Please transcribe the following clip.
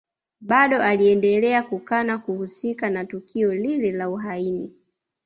Bado aliendelea kukana kuhusika na tukio lile la uhaini